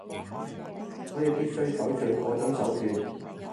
所以必須採取嗰種手段